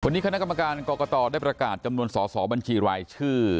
วันนี้คณะกรรมการกรกตได้ประกาศจำนวนสอสอบัญชีรายชื่อ